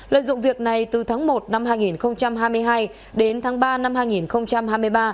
lợi dụng việc này từ tháng một năm hai nghìn hai mươi hai đến tháng ba năm hai nghìn hai mươi ba